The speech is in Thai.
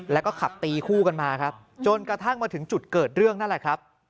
แล้วก็ขับตีคู่กันมาครับจนกระทั่งมาถึงจุดเกิดเรื่องนั่นแหละครับ